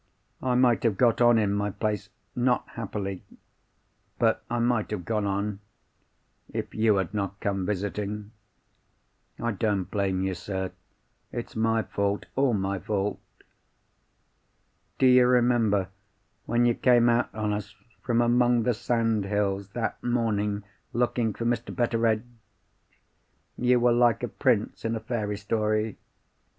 I might have got on in my place—not happily—but I might have got on, if you had not come visiting. I don't blame you, sir. It's my fault—all my fault. "Do you remember when you came out on us from among the sandhills, that morning, looking for Mr. Betteredge? You were like a prince in a fairy story.